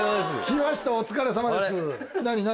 来ましたお疲れさまです何何？